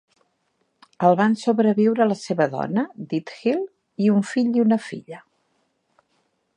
El van sobreviure la seva dona, Diethild, i un fill i una filla.